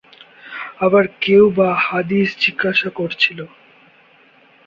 আবার কেউ বা হাদিস জিজ্ঞাসা করছিল।